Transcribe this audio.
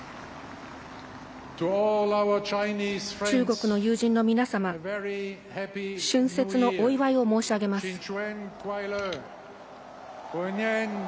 中国の友人の皆様春節のお祝いを申し上げます。